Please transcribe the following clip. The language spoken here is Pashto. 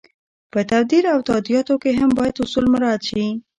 په تبدیل او تادیاتو کې هم باید اصول مراعت شي.